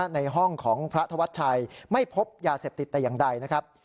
ในห้องของพระธวัชชัยไม่พบยาเสพติดแต่อย่างใดนะครับ